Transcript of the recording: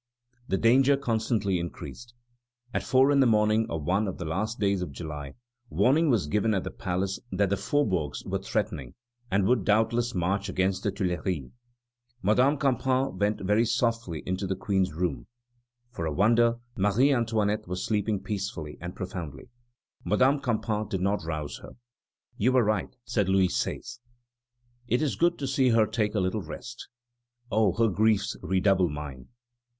The danger constantly increased. At four in the morning of one of the last days of July, warning was given at the palace that the faubourgs were threatening, and would doubtless march against the Tuileries. Madame Campan went very softly into the Queen's room. For a wonder, Marie Antoinette was sleeping peacefully and profoundly. Madame Campan did not rouse her. "You were right," said Louis XVI.; "it is good to see her take a little rest. Oh! her griefs redouble mine!"